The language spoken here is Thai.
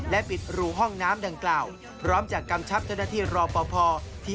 แต่จริงว่าได้โลกที้